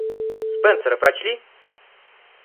Спенсера прочли?